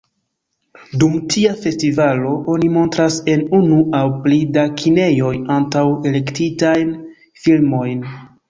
Dum tia festivalo, oni montras en unu aŭ pli da kinejoj antaŭ-elektitajn filmojn.